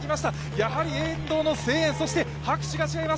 やはり沿道の声援、拍手が違います